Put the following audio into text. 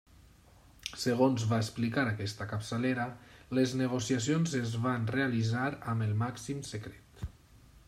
Segons va explicar aquesta capçalera, les negociacions es van realitzar amb el màxim secret.